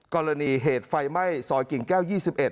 กรณีเหตุไฟไหม้ซอยกิ่งแก้ว๒๑